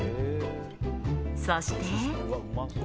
そして。